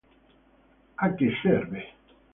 A che serve?